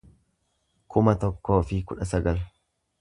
kuma tokkoo fi kudha sagal